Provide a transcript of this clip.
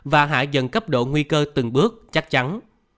và hạ dần cấp độ nguy cơ từng bước chắc chắn